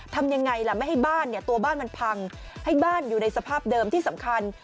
ทำยังไงล่ะไม่ให้บ้านเนี่ยตัวบ้านมันพังให้บ้านอยู่ในสภาพเดิมที่สำคัญ